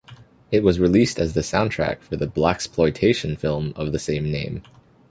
It was released as the soundtrack for the Blaxploitation film of the same name.